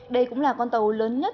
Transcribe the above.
đây cũng là con tàu lớn nhất